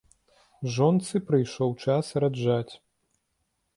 Жонцы прыйшоў час раджаць.